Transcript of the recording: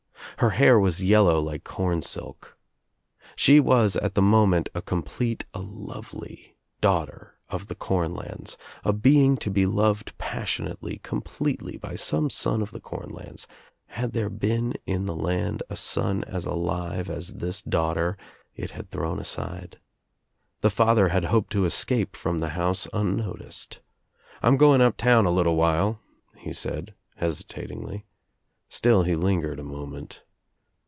Her hair was yellow like cornsilk. She was, at the moment, a complete, a lovely daughter of the cornlands, a being to be loved passionately, completely by some son of the cornlands — had there been in the land a son as alive 33 this daughter it had thrown aside. The father had hoped lo escape from the house unnoticed. "I'm go ing up town a little while," he said hesitatingly. Still he lingered a moment.